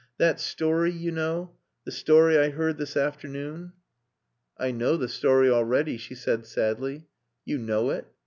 "That story, you know the story I heard this afternoon...." "I know the story already," she said sadly. "You know it!